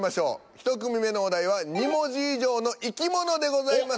１組目のお題は２文字以上の生き物でございます。